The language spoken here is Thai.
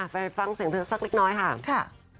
ไปฟังเสียงเธอสักเล็กน้อยค่ะ